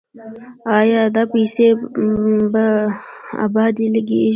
آیا دا پیسې په ابادۍ لګیږي؟